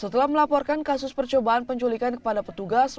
setelah melaporkan kasus percobaan penculikan kepada petugas